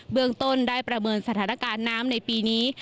เมืองต้นได้ประเมินสถานการณ์น้ำในปีนี้